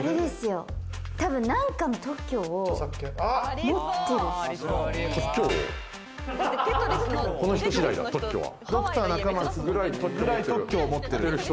何かの特許を持ってる人？